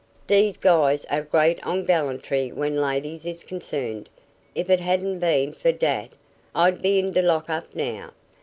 Dese guys are great on gallantry when ladies is concerned. If it hadn't been fer dat, I'd be in d' lock up now.